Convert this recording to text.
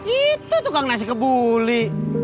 itu tukang nasi kebuli